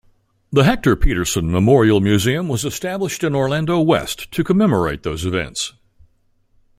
The Hector Pieterson Memorial Museum was established in Orlando West to commemorate those events.